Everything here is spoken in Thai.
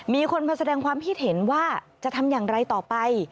มีคนมาแสดงความคิดเห็นว่าจะทำอย่างไรต่อไป